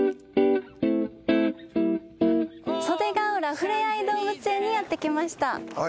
袖ケ浦ふれあいどうぶつ縁にやって来ました。